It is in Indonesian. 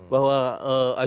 bahwa ada yang mengatakan